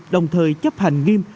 đồng thời chấp hành nghiêm